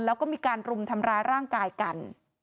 แล้วก็มีการรุมทำร้ายร่างกายกัน